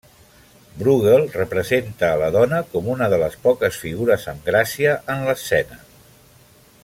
Brueghel representa a la dona com una de les poques figures amb gràcia en l'escena.